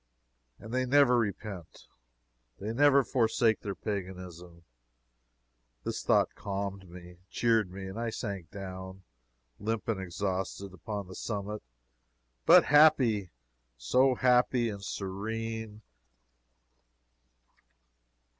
And they never repent they never forsake their paganism. This thought calmed me, cheered me, and I sank down, limp and exhausted, upon the summit, but happy, so happy and serene within.